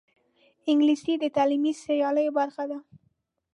انګلیسي د تعلیمي سیالیو برخه ده